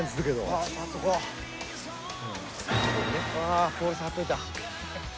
あポール触っといた。